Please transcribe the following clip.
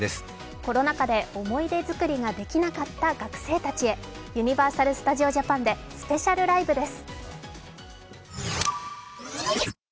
コロナ禍で思い出作りができなかった学生たちへユニバーサル・スタジオ・ジャパンでスペシャルライブです。